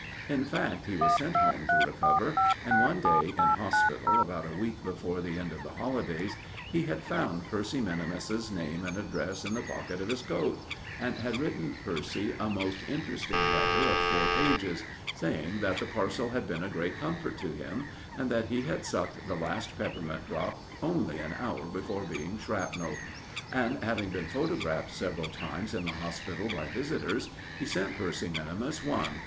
In fact, he was sent home to recover, and one day in hospital, about a week before the end of the holidays, he had found Percy minimus's name and address in the pocket of his coat, and had written Percy a most interesting letter of four pages, saying that the parcel had been a great comfort to him, and that he had sucked the last peppermint drop only an hour before being shrapnelled. And, having been photographed several times in the hospital by visitors, he sent Percy minimus one.